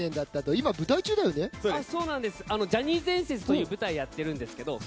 今「ジャニーズ伝説」という舞台やってるんです。